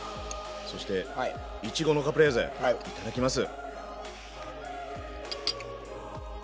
そしていちごのカプレーゼいただきます。